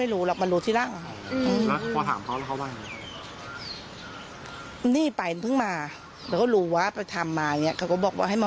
ถือว่าครั้งนี้เป็นครั้งแรกไหม